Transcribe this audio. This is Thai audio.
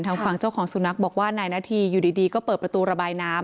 ฝั่งเจ้าของสุนัขบอกว่านายนาธีอยู่ดีก็เปิดประตูระบายน้ำ